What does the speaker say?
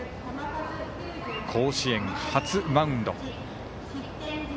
甲子園、初マウンド。